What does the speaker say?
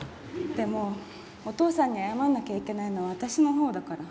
でもお父さんに謝らなきゃいけないのは私のほうだから。